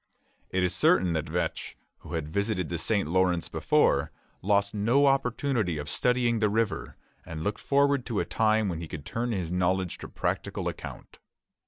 It is certain that Vetch, who had visited the St. Lawrence before, lost no opportunity of studying the river, and looked forward to a time when he could turn his knowledge to practical account.